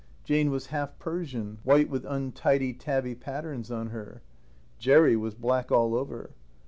Jane was half Persian, white with untidy tabby patterns on her. Jerry was black all over.